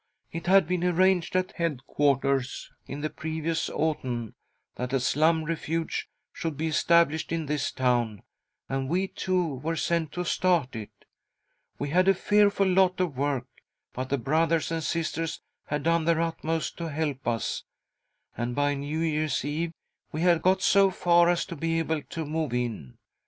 " It had been arranged at head quarters, in the previous, autumn, that a Slum Refuge should be established in this town, and we two were sent to start it. We had a fearful lot of work, but the Brothers and Sisters had done their rif ii k ....■ i — A CALL FROM THE PAST 75 utmost to help us, and by New Year's Eve we had got so far as to be able to move in.